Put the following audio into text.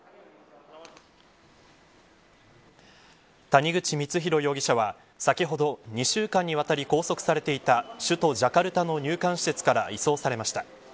谷口光弘容疑者は、先ほど２週間にわたり拘束されていた首都ジャカルタの入管施設から移送されました。